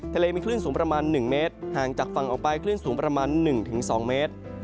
ทะเลมีคลื่นสูงประมาณ๑เมตรห่างจากฝั่งออกไปคลื่นสูงประมาณ๑๒เมตร